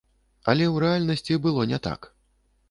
Але ў рэальнасці было не так.